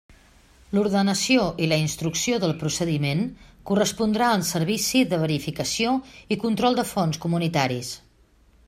L'ordenació i la instrucció del procediment correspondrà al Servici de Verificació i Control de Fons Comunitaris.